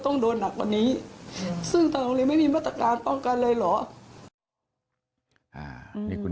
ปิดมันล่ะค่ะได้ใช่มั้ยไม่มีสอบไปกันเลยเหรอ